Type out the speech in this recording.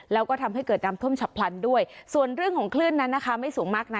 แล้วก็ทำให้เกิดน้ำท่วมฉับพลันด้วยส่วนเรื่องของคลื่นนั้นนะคะไม่สูงมากนะ